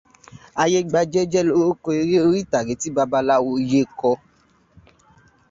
Ayégbajẹhjẹ́ lorúkọ eré orí ìtàgé tí babaláwo yẹ kọ.